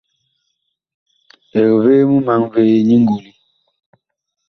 Eg vee mumaŋ vee nyi ngoli?